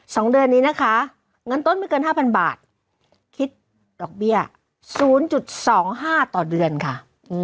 สองเดือนนี้นะคะเงินต้นไม่เกินห้าพันบาทคิดดอกเบี้ยศูนย์จุดสองห้าต่อเดือนค่ะ